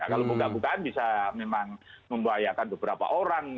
kalau buka bukaan bisa memang membahayakan beberapa orang